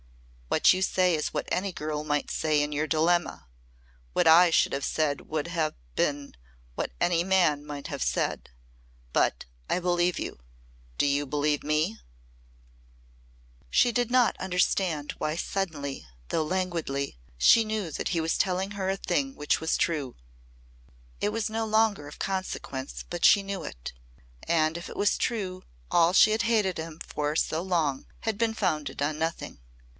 What you say is what any girl might say in your dilemma, what I should have said would have been what any man might have said. But I believe you. Do you believe me?" She did not understand why suddenly though languidly she knew that he was telling her a thing which was true. It was no longer of consequence but she knew it. And if it was true all she had hated him for so long had been founded on nothing.